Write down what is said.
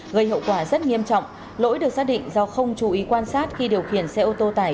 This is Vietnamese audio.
gây hậu quả rất nghiêm trọng lỗi được xác định do không chú ý quan sát khi điều khiển xe ô tô tải